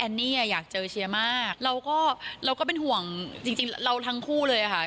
อันนี้อยากเจอเชียร์มากเราก็เราก็เป็นห่วงจริงเราทั้งคู่เลยค่ะ